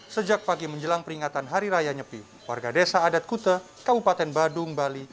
sejak pagi menjelang peringatan hari raya nyepi warga desa adat kute kabupaten badung bali